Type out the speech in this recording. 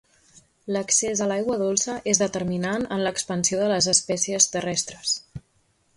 L'accés a l'aigua dolça és determinant en l'expansió de les espècies terrestres.